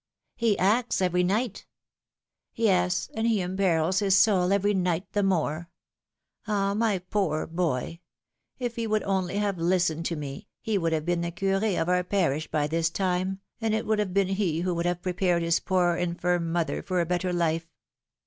He acts every night." Yes, and he imperils his soul every night the more ! Ah ! my poor boy ! If he would only have listened to me, he would have been the Cur6 of our parish by this time, and it would have been he who would have prepared his poor infirm mother for a better life."